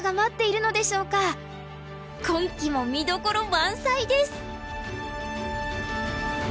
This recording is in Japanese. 今期も見どころ満載です！